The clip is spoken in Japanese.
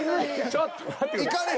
ちょっと待ってくれ。